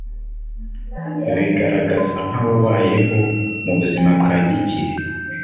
bigaragaza nk'ababayeho mu buzima bwa gikire